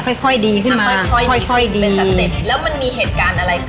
ค่อยค่อยดีขึ้นมาค่อยค่อยดีค่อยค่อยดีแล้วมันมีเหตุการณ์อะไร